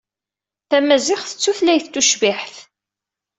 Tamaziɣt d tutlayt tucbiḥt.